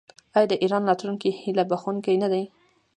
آیا د ایران راتلونکی هیله بښونکی نه دی؟